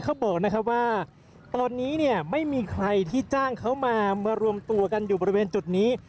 เขาบอกนะครับว่าตอนนี้เนี่ยไม่มีใครที่จ้างเขามามารวมตัวกันอยู่บริเวณจุดนี้